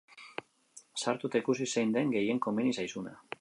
Sartu eta ikusi zein den gehien komeni zaizuna.